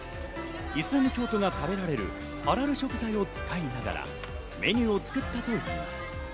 イスラム教徒が食べられるハラル食材を使いながらメニューを作ったといいます。